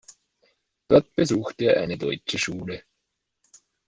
Dort besuchte er eine deutsche Schule.